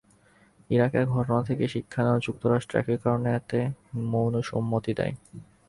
ইরাকের ঘটনা থেকে শিক্ষা নেওয়া যুক্তরাষ্ট্র একই কারণে এতে মৌন সম্মতি দেয়।